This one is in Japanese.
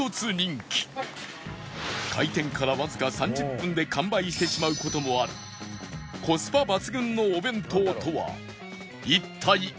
開店からわずか３０分で完売してしまう事もあるコスパ抜群のお弁当とは一体なんなのか？